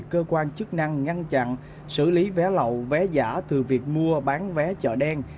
cơ quan chức năng ngăn chặn xử lý vé lậu vé giả từ việc mua bán vé chợ đen